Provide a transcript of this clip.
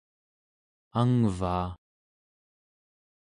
angvaa